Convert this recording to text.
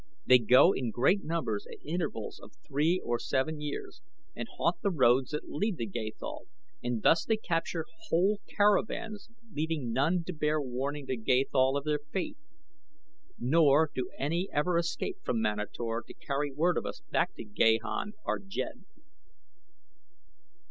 They go in great numbers at intervals of three or seven years and haunt the roads that lead to Gathol, and thus they capture whole caravans leaving none to bear warning to Gathol of their fate. Nor do any ever escape from Manator to carry word of us back to Gahan our jed."